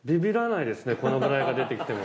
このぐらいが出てきても。